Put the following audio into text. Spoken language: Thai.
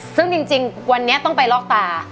ซึ่งจริงวันนี้ต้องไปลอกตา